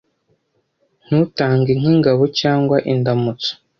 Ntutange nkingabo cyangwa indamutso,